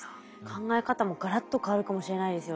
考え方もガラッと変わるかもしれないですよね。